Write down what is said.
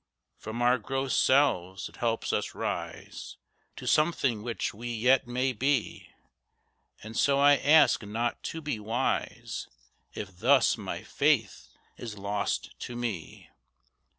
From our gross selves it helps us rise To something which we yet may be. And so I ask not to be wise, If thus my faith is lost to me.